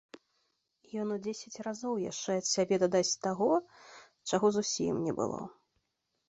Ён у дзесяць разоў яшчэ ад сябе дадасць таго, чаго зусім не было.